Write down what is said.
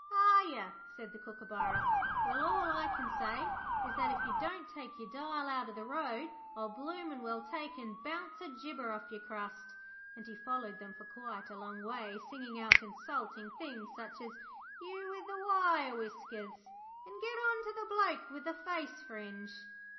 'Are yer?' said the Kookaburra. 'Well, all I can say is that if yer don't take yer dial outer the road I'll bloomin' well take an' bounce a gibber off yer crust,' and he followed them for quite a long way, singing out insulting things such as, 'You with the wire whiskers,' and 'Get onter the bloke with the face fringe.'